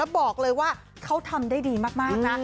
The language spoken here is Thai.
แล้วบอกเลยว่าเขาทำได้ดีมาก